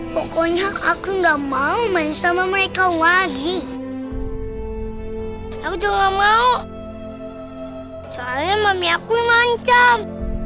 pokoknya aku nggak mau main sama mereka lagi aku juga mau soalnya mami aku mengancam